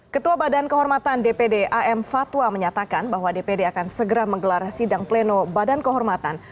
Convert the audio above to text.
ketua badan kehormatan dpd am fatwa menyatakan bahwa dpd akan segera menggelar sidang pleno badan kehormatan